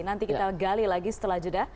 nanti kita gali lagi setelah jeda